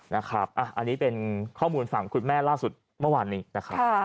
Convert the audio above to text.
นะครับอันนี้เป็นข้อมูลฝั่งคุณแม่ล่าสุดเมื่อวานนี้นะครับ